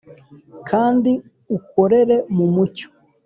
kandi ukorere mu mucyo